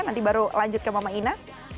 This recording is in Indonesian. nanti baru lanjut ke mama ina